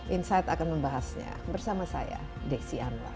insight akan membahasnya bersama saya desi anwar